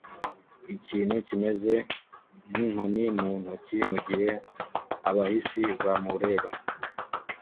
ikintu kimeze nk'inkoni mu ntoki mugihe abahisi bamureba